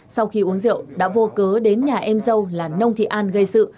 sau khi uống rượu đã vô cớ đến nhà em dâu là nông thị an gây sự